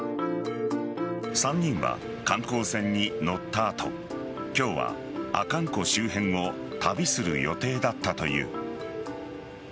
３人は観光船に乗った後今日は阿寒湖周辺を旅する予定だったという。